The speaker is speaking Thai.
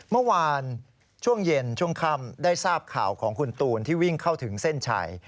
เมื่อวานช่วงเย็นช่วงค่ำได้ทราบข่าวของคุณตูนที่วิ่งเข้าถึงเส้นชัย